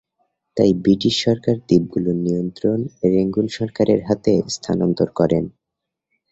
তাই ব্রিটিশ সরকার দ্বীপগুলোর নিয়ন্ত্রণ রেঙ্গুন সরকারের হাতে হস্তান্তর করে।